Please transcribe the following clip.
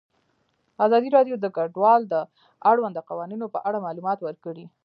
ازادي راډیو د کډوال د اړونده قوانینو په اړه معلومات ورکړي.